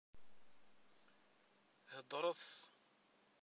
Hedṛet!